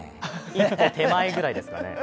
一歩手前ぐらいですかね。